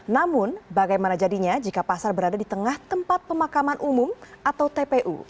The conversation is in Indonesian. namun bagaimana jadinya jika pasar berada di tengah tempat pemakaman umum atau tpu